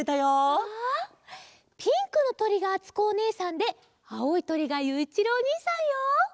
うわピンクのとりがあつこおねえさんであおいとりがゆういちろうおにいさんよ！